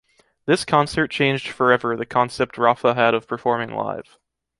This concert changed forever the concept Rapha had of performing live.